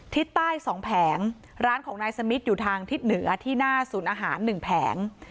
ทิศใต้๒แผงร้านของนายสมิทอยู่ทางทิศเหนือที่หน้าศูนย์อาหารหนึ่งแผง